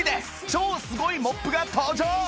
超すごいモップが登場！